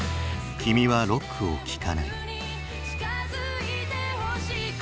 「君はロックを聴かない」。